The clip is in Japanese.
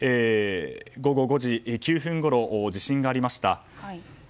午後５時９分ごろ地震がありました。